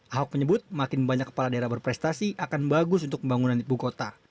ahok menyebut makin banyak kepala daerah berprestasi akan bagus untuk pembangunan ibu kota